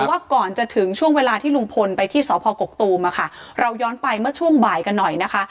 ว่าก่อนจะถึงช่วงเวลาที่ลุงพลไปที่สพกกตูมอะค่ะเราย้อนไปเมื่อช่วงบ่ายกันหน่อยนะคะ